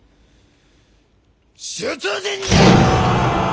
出陣じゃあ！